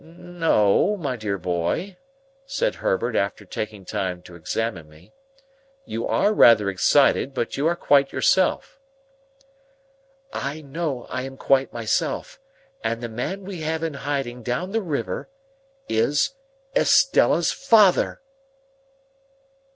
"N no, my dear boy," said Herbert, after taking time to examine me. "You are rather excited, but you are quite yourself." "I know I am quite myself. And the man we have in hiding down the river, is Estella's Father."